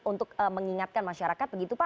untuk mengingatkan masyarakat